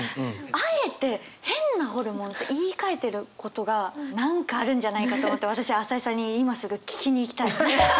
あえて「変なホルモン」って言いかえてることが何かあるんじゃないかと思って私は朝井さんに今すぐ聞きに行きたい。